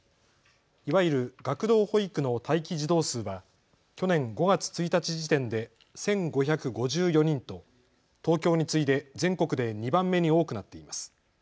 いわゆる学童保育の待機児童数は去年５月１日時点で１５５４人と東京に次いで全国で２番目に多くなっています。